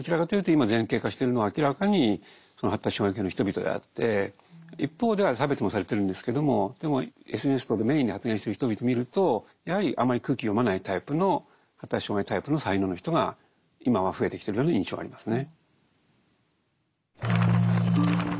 どちらかというと一方では差別もされてるんですけどもでもＳＮＳ等でメインに発言してる人々見るとやはりあんまり空気読まないタイプの発達障害タイプの才能の人が今は増えてきてるような印象がありますね。